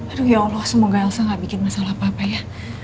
aduh ya allah semoga langsung gak bikin masalah apa apa ya